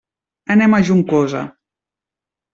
Anem a Juncosa.